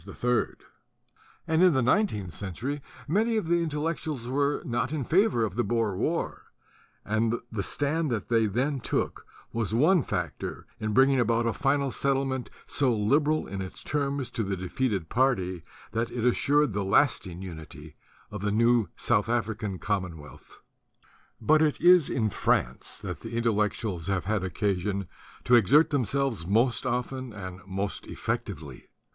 And THE DUTY OF THE INTELLECTUALS in the nineteenth century many of the Intellec tuals were not in favor of the Boer War; and the stand they then took was one factor in bringing about a final settlement, so liberal in its terms to the defeated party that it assured the lasting unity of the new South African commonwealth. But it is in France that the Intellectuals have had occasion to exert themselves most often and most effectively.